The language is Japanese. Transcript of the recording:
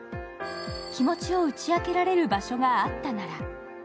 気持ちを打ち明けられる場所があったなら。